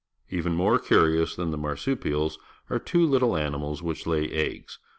Even more curious than the marsupials are two little animals which lay eggs.